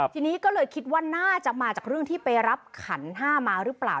ทีนี้ก็เลยคิดว่าน่าจะมาจากเรื่องที่ไปรับขันห้ามาหรือเปล่า